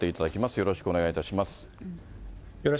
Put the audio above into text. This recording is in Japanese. よろしくお願いします。